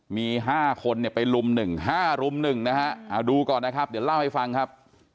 มี๕คนไปรุมหนึ่ง๕รุมหนึ่งดูก่อนนะครับเดี๋ยวเล่าให้ฟังครับ